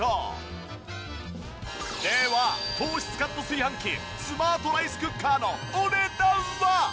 では糖質カット炊飯器スマートライスクッカーのお値段は。